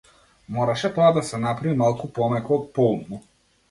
Мораше тоа да се направи малку помеко, поумно.